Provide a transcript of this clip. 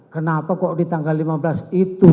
kenapa kok di tanggal lima belas itu